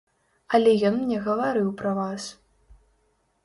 Але ён мне гаварыў пра вас.